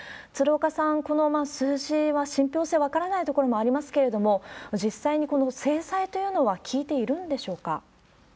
鶴岡さん、この数字は信ぴょう性、分からないところはありますけれども、実際にこの制裁というのは効いているんでしょうか。